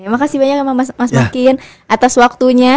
makasih banyak mas pakin atas waktunya